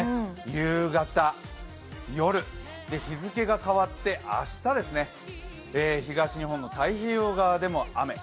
夕方、夜、日付が変わって明日ですね、東日本の太平洋側でも雨。